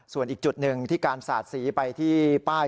ส่วนอีกจุดหนึ่งที่การสาดสีไปที่ป้าย